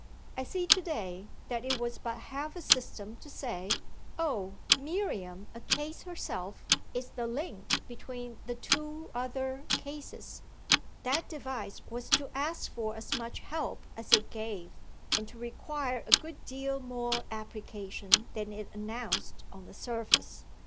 I see to day that it was but half a system to say, "Oh Miriam, a case herself, is the link between the two other cases"; that device was to ask for as much help as it gave and to require a good deal more application than it announced on the surface.